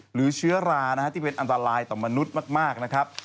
หรือเชื้อรานะฮะที่เป็นอันตรายต่อมนุษย์มากนะครับ